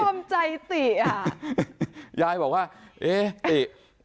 ก็ย่อมใจติยายบอกว่าเอ๊ะ